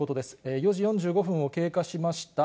４時４５分を経過しました。